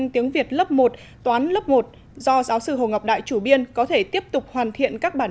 tiếng việt lớp một toán lớp một do giáo sư hồ ngọc đại chủ biên có thể tiếp tục hoàn thiện các bản